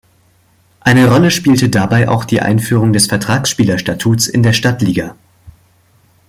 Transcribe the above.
Eine Rolle spielte dabei auch die Einführung des Vertragsspieler-Statuts in der Stadtliga.